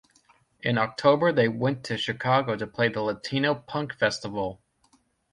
In October they went to Chicago to play the Latino Punk festival.